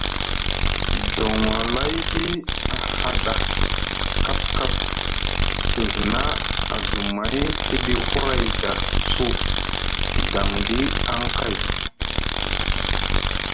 Doŋolayɗi a haada kapkap te hina azumay piɗi huray ɗa su guidaŋɗi aŋ kay.